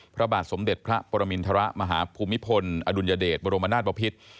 พระบาทสมเด็จพระปรมินทรมาฮภูมิพลอดุลยเดชบรมนาศบพิษ